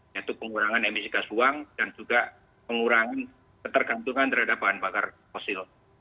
yaitu pengurangan emisi gas buang dan juga pengurangan ketergantungan terhadap bahan bakar fosil